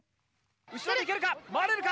後ろでいけるか、回れるか。